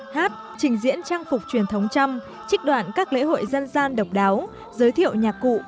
hát trình diễn trang phục truyền thống trăm trích đoạn các lễ hội dân gian độc đáo giới thiệu nhạc cụ